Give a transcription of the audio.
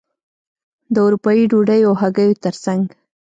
د اروپايي ډوډیو او هګیو ترڅنګ.